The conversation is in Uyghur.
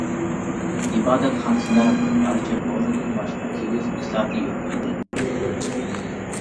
ئىبادەتخانىسىدا بىر پارچە بورىدىن باشقا كىگىز بىساتى يوق ئىدى.